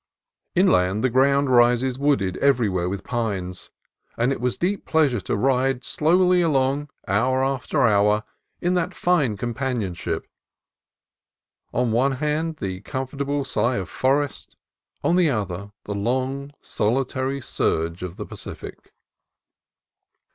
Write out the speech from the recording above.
Inland the ground rises wooded everywhere with pines; and it was deep pleasure to ride slowly along, hour after hour, in that fine companionship; on one hand the comfort able sigh of forest, on the other the long, solitary surge of the Pacific.